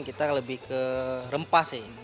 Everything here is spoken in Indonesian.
kita lebih ke rempah sih